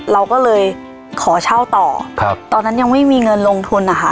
เราก็เลยขอเช่าต่อครับตอนนั้นยังไม่มีเงินลงทุนนะคะ